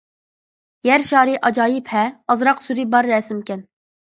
يەر شارى ئاجايىپ ھە. ئازراق سۈرى بار رەسىمكەن.